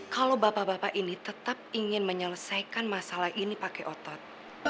kalau bapak bapak ini tetap ingin menyelesaikan masalah ini pakai otot